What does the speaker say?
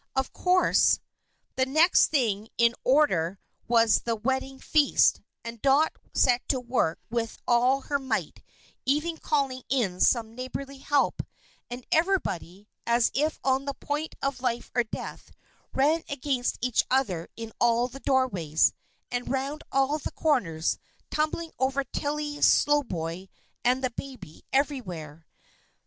Of course, the next thing in order was the wedding feast; and Dot set to work with all her might, even calling in some neighborly help, and everybody, as if on the point of life or death, ran against each other in all the doorways, and round all the corners, tumbling over Tilly Slowboy and the baby everywhere.